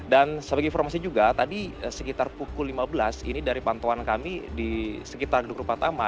dan sebagai informasi juga tadi sekitar pukul lima belas ini dari pantauan kami di sekitar kedua grupa pertama